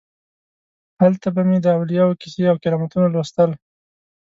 هلته به مې د اولیاو کیسې او کرامتونه لوستل.